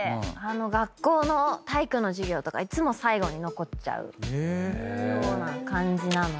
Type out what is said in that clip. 学校の体育の授業とかいつも最後に残っちゃうような感じなので。